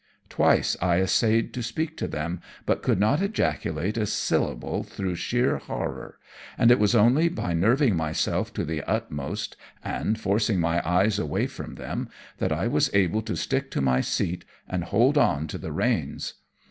Twice I essayed to speak to them, but could not ejaculate a syllable through sheer horror, and it was only by nerving myself to the utmost, and forcing my eyes away from them, that I was able to stick to my seat and hold on to the reins.